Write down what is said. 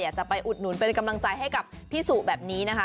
จะไปอุดหนุนเป็นกำลังใจให้กับพี่สุแบบนี้นะคะ